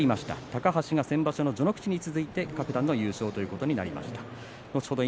高橋が先場所の序ノ口に続いて各段優勝ということになりました。